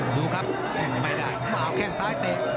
ดูครับไม่ได้มาเอาแข้งซ้ายเตะ